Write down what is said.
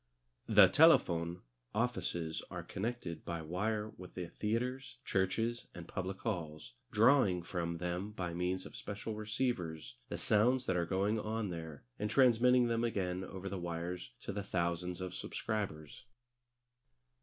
The Telefon offices are connected by wire with the theatres, churches, and public halls, drawing from them by means of special receivers the sounds that are going on there, and transmitting them again over the wires to the thousands of subscribers.